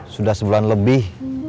sudah sebulan lebih